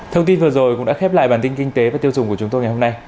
thông tin vừa rồi cũng đã khép lại bản tin kinh tế và tiêu dùng của chúng tôi ngày hôm nay